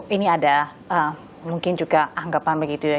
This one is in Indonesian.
ini ada mungkin juga anggapan begitu ya